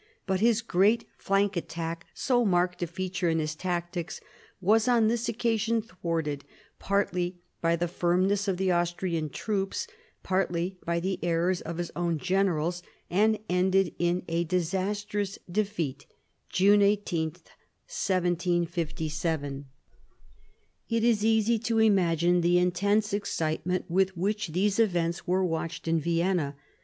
But his great flank attack, so marked a feature in his tactics, was on this occasion thwarted, partly by the firmness of the Austrian troops, partly by the errors of his own generals, and ended in a disastrous defeat (June 18, 1757). It is easy to imagine the intense excitement with which these events were watched in Vienna.